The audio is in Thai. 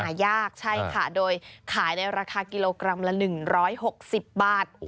หายากใช่ค่ะโดยขายในราคากิโลกรัมละ๑๖๐บาท